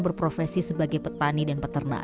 berprofesi sebagai petani dan peternak